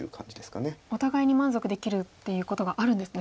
お互いに満足できるっていうことがあるんですね。